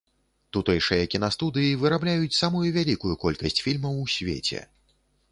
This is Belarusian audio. Тутэйшыя кінастудыі вырабляюць самую вялікую колькасць фільмаў у свеце.